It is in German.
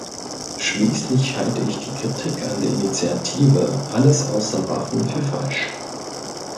Schließlich halte ich die Kritik an der Initiative "Alles außer Waffen" für falsch.